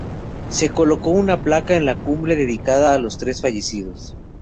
Se colocó una placa en la cumbre dedicada a los tres fallecidos.